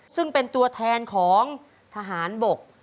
ซึ่งเป็นตัวแทนของทหารบก